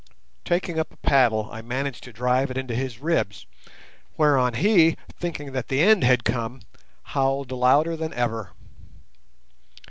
Taking up a paddle I managed to drive it into his ribs, whereon he, thinking that the end had come, howled louder than ever.